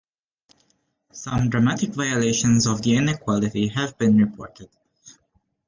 Some dramatic violations of the inequality have been reported.